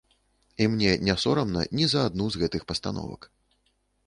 І мне не сорамна ні за адну з гэтых пастановак.